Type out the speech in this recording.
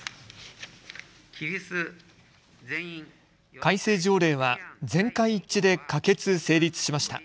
改正条例は全会一致で可決・成立しました。